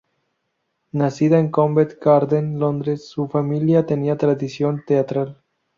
Nacida en Covent Garden, Londres, su familia tenía tradición teatral.